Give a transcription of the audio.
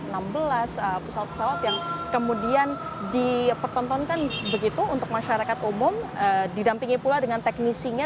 pesawat pesawat yang kemudian dipertontonkan begitu untuk masyarakat umum didampingi pula dengan teknisinya